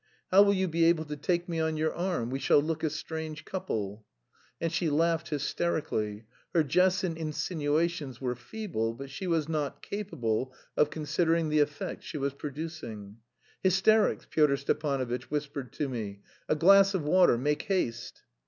How will you be able to take me on your arm; we shall look a strange couple!" And she laughed hysterically. Her jests and insinuations were feeble, but she was not capable of considering the effect she was producing. "Hysterics!" Pyotr Stepanovitch whispered to me. "A glass of water, make haste!"